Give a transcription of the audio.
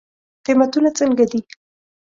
قیمتونه څنګه دی؟